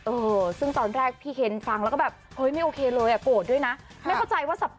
เออซึ่งตอนแรกพี่เคหนฟังแล้วก็แบบ